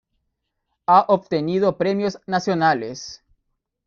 Ha obtenido premios nacionales.